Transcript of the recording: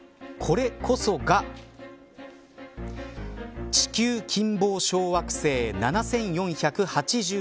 これこそが地球近傍小惑星７４８２。